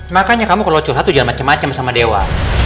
makanya kamu kalau curhat tuh jangan macam macam sama dewa